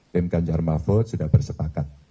tim ganjar mahfud sudah bersepakat